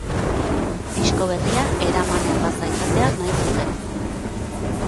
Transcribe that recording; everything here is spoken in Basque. Disko berria eramanerraza izatea nahi zuten.